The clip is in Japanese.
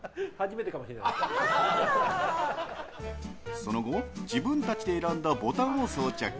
その後、自分たちで選んだボタンを装着。